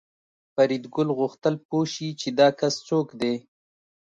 فریدګل غوښتل پوه شي چې دا کس څوک دی